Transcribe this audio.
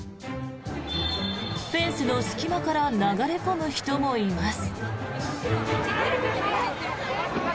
フェンスの隙間から流れ込む人もいます。